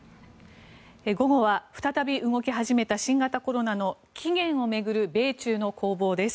午後は再び動き始めた新型コロナの起源を巡る米中の攻防です。